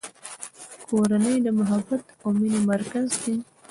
کورنۍ د محبت او مینې مرکز دی.